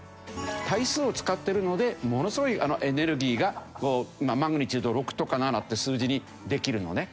対数を使ってるのでものすごいエネルギーがマグニチュード６とか７って数字にできるのね。